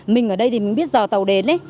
mình ở đây thì biết giờ tàu đến